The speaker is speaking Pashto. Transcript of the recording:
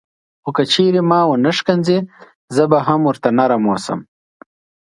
خو که چیرې ما ونه ښکنځي زه به هم ورته نرم اوسم.